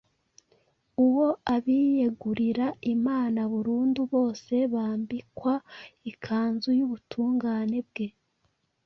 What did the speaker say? uwo abiyegurira Imana burundu bose bambikwa ikanzu y’ubutungane bwe